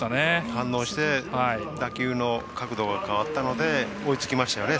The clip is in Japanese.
反応して打球の角度が変わったので追いつきましたよね